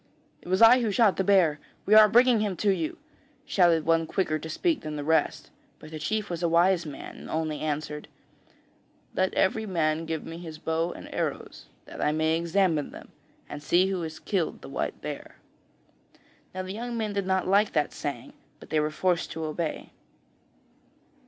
'It was I who shot the bear; we are bringing him to you,' shouted one quicker to speak than the rest; but the chief was a wise man, and only answered: 'Let every man give me his bow and arrows, that I may examine them, and see who has killed the white bear.' Now the young men did not like that saying, but they were forced to obey.